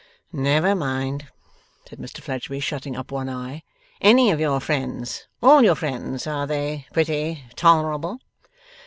'Never mind,' said Mr Fledgeby, shutting up one eye, 'any of your friends, all your friends. Are they pretty tolerable?